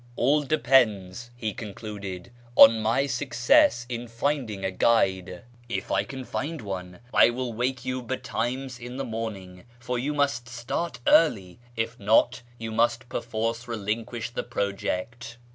"All depends," he concluded, " on my success in finding a guide. 564 yl YEAR AMONGST THE PERSIANS If I can find one, I will wake you betimes in the morning, for you must start early ; if not, you nnist })erforce relinquish the project."